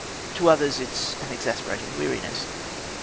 To others it is an exasperating weariness.